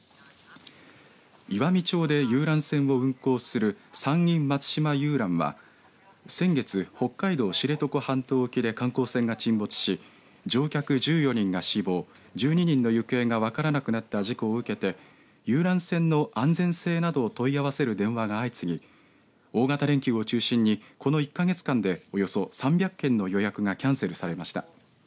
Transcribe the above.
岩美町で遊覧船を運航する山陰松島遊覧は先月、北海道・知床半島沖で観光船が沈没し乗客１４人が死亡、１２人の行方が分からなくなった事故を受けて遊覧船の安全性などを問い合わせる電話が相次ぎ大型連休を中心にこの１か月間でおよそ３００件の予約がキャンセルされました。